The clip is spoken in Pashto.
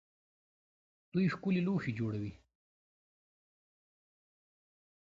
دوی ښکلي لوښي جوړوي.